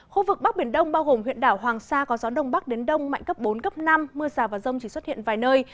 khu vực bắc biển đông bao gồm huyện đảo hoàng sa có gió đông bắc đến đông mạnh cấp bốn cấp năm mưa rào và rông chỉ xuất hiện vài nơi